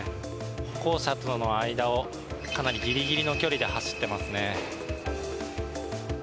歩行者との間をかなりギリギリの距離で走ってますね。